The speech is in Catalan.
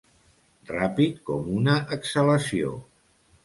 Ràpid com una exhalació.